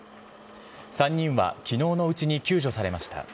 ３人はきのうのうちに救助されました。